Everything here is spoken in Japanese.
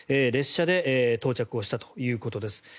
列車で到着をしたということです。